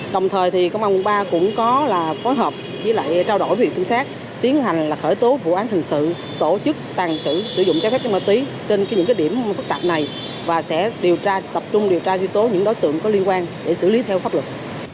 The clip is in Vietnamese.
đồng thời thì công an quận ba cũng có là phối hợp với lại trao đổi việc phương sát tiến hành là khởi tố vụ án hình sự tổ chức tàn trữ sử dụng cái phép ma túy trên những cái điểm phức tạp này và sẽ tập trung điều tra duy tố những đối tượng có liên quan để xử lý theo pháp luật